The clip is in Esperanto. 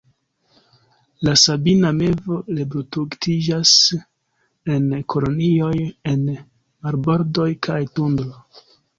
La Sabina mevo reproduktiĝas en kolonioj en marbordoj kaj tundro.